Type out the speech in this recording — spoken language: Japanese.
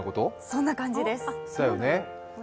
そんな感じです。